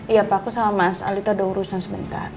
iya pak aku sama mas alito ada urusan sebentar